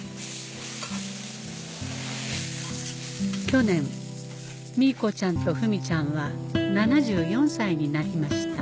去年ミーコちゃんとフミちゃんは７４歳になりました